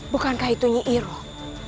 bukankah itunya iroh